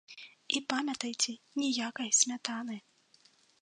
І памятайце, ніякай смятаны!